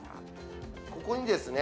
ここにですね